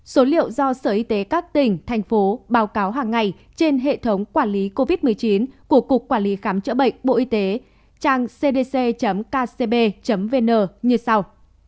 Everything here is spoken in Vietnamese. số liệu do sở y tế các tỉnh thành phố báo cáo hàng ngày trên hệ thống quản lý covid một mươi chín của cục quản lý khám chữa bệnh bộ y tế trang cdc kcb vn như sau